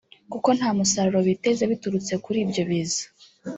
kuko nta musaruro biteze biturutse kuri ibyo biza